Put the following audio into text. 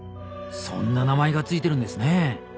そんな名前が付いてるんですねえ。